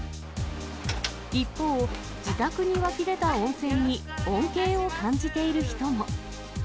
一方、自宅に湧き出た温泉に恩恵を感じている人も。